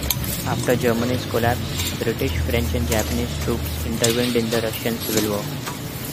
After Germany's collapse, British, French and Japanese troops intervened in the Russian Civil War.